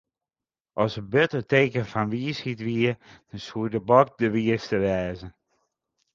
As it burd it teken fan wysheid wie, soe de bok de wiiste wêze.